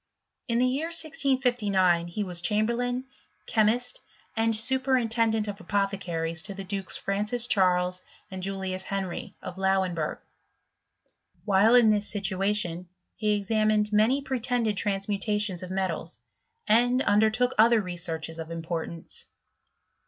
In the year 1659, he was chamberlain, chemist, and superintendent of apothe caries to the dukes Francis Charles and Julius Henry, of Lauenbui^. While in this situation, he examined many pretended transmutations of metals, and under took other researches of importance.